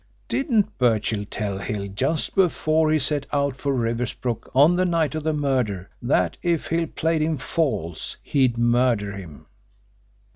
Didn't Birchill tell Hill, just before he set out for Riversbrook on the night of the murder, that if Hill played him false he'd murder him?